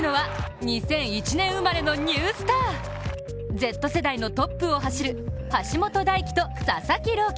Ｚ世代のトップを走る橋本大輝と佐々木朗希。